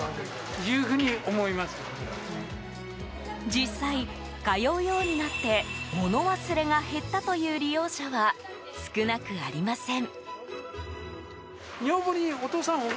実際、通うようになって物忘れが減ったという利用者は少なくありません。